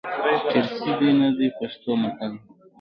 چرسي زوی نه زوی، پښتو متل دئ.